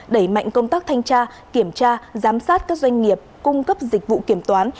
đẩy mạnh công tác thanh tra kiểm tra giám sát các doanh nghiệp cung cấp dịch vụ kiểm toán